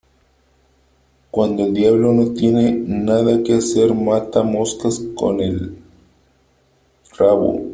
Cuando el diablo no tiene nada que hacer mata moscas con el rabo.